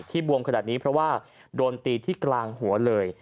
บวมขนาดนี้เพราะว่าโดนตีที่กลางหัวเลย